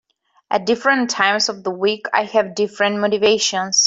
At different times of the week I have different motivations.